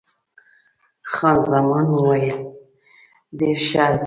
خان زمان وویل، ډېر ښه، زه هم همداسې یم.